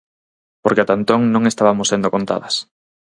Porque ata entón non estabamos sendo contadas.